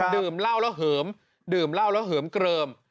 ดื่มเหล้าแล้วเหิมดื่มเหล้าแล้วเหิมเกลิม